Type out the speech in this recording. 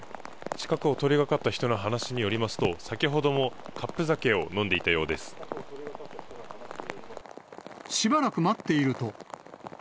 近くを通りかかった人の話によりますと、先ほどもカップ酒を飲んしばらく待っていると。